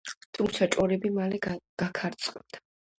თუმცა ჭორები მალე გაქარწყლდა.